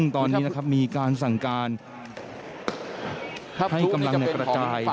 ตอนนี้มีการสั่งการให้กำลังประจาย